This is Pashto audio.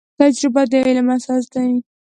تجربه د علم اساس دی